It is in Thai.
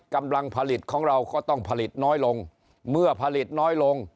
กำลังผลิตของเราก็ต้องผลิตน้อยลงเมื่อผลิตน้อยลง